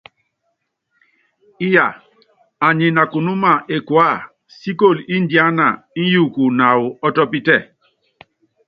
Íyaa, anyi nakunúma ekuea, síkoli ndiána íyuku naawɔ ɔ́tɔ́pítɛ.